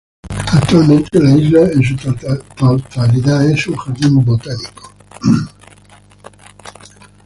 Actualmente la isla en su totalidad es un jardín botánico.